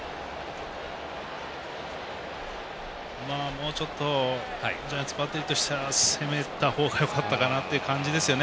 もうちょっとバッテリーとしたら攻めた方がよかったかなという感じですよね。